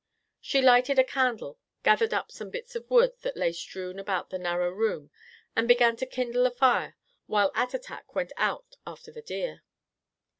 She lighted a candle, gathered up some bits of wood that lay strewn about the narrow room, and began to kindle a fire while Attatak went out after the deer.